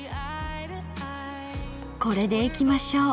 これでいきましょう。